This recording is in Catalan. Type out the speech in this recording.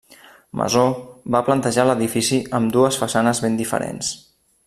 Masó va plantejar l'edifici amb dues façanes ben diferents.